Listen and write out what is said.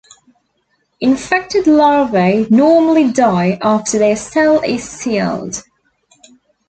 Infected larvae normally die after their cell is sealed.